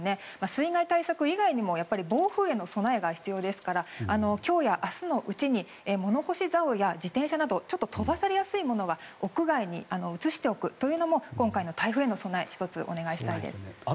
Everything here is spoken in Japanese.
水害対策以外にも暴風への備えが必要ですから今日や明日のうちに物干しざおや自転車など飛ばされやすいものは屋内に移しておくというのも今回の台風への備え１つお願いしたいです。